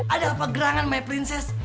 ada apa gerangan my princess